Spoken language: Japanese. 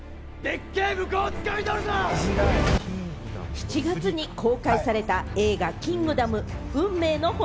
７月に公開された、映画『キングダム運命の炎』。